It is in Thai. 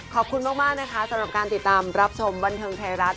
ขอบคุณมากนะคะสำหรับการติดตามรับชมบันเทิงไทยรัฐ